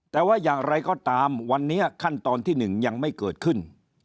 แต่ว่าอย่างไรก็ตามวันนี้ขั้นตอนที่๑ยังไม่เกิดขึ้น